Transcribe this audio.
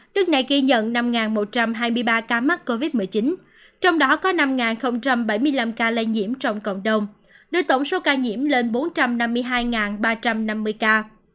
nước này ghi nhận năm một trăm hai mươi ba ca mắc covid một mươi chín trong đó có năm bảy mươi năm ca lây nhiễm trong cộng đồng đưa tổng số ca nhiễm lên bốn trăm năm mươi hai ba trăm năm mươi ca